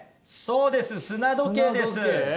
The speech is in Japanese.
そうです砂時計です。